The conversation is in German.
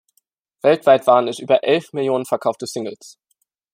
Weltweit waren es über elf Millionen verkaufte Singles.